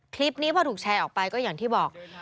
คลิปนี้พอถูกแชร์ออกไปก็อย่างที่บอก